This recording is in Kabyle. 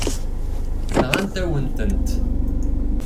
Nɣant-awen-tent.